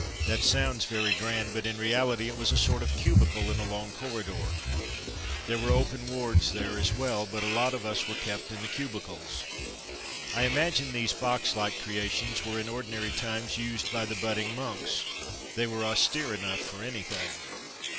That sounds very grand, but in reality it was a sort of cubicle in a long corridor. There were open wards there as well, but a lot of us were kept in the cubicles. I imagine these box like creations were in ordinary times used by the budding monks — they were austere enough for anything.